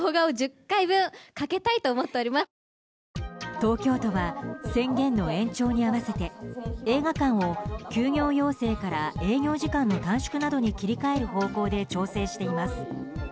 東京都は宣言の延長に合わせて映画館を休業要請から営業時間の短縮などに切り替える方向で調整しています。